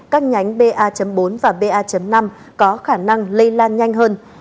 các nhánh ba bốn và ba năm có khả năng lây lan nhanh hơn